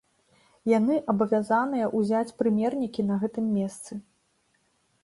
Яны абавязаныя ўзяць прымернікі на гэтым месцы.